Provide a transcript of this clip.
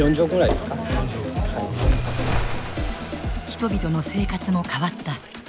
人々の生活も変わった。